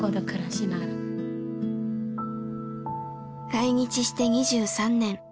来日して２３年。